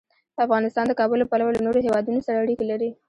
افغانستان د کابل له پلوه له نورو هېوادونو سره اړیکې لري.